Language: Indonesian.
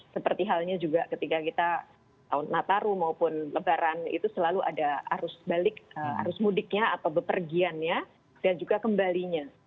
seperti halnya juga ketika kita tahun nataru maupun lebaran itu selalu ada arus mudiknya atau bepergiannya dan juga kembalinya